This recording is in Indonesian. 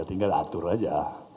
tinggal ada aja